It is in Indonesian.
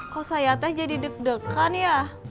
kok saya teh jadi deg degan ya